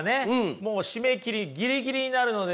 もう締め切りギリギリになるのでね。